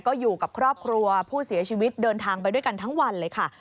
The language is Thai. ก็อยู่กับครอบครัวผู้เสียชีวิตเดินทางไปด้วยกันทั้งวันเลยค่ะ